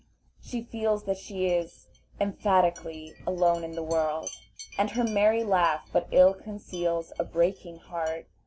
She feels that she is, emphatically, alone in the world, and her merry laugh but ill conceals a breaking heart.